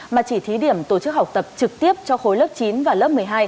mà chỉ thí điểm tổ chức học tập trực tiếp cho khối lớp chín và lớp một mươi hai